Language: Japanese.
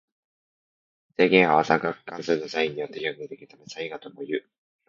正弦波は三角関数のサインによって表現できるためサイン波ともいう。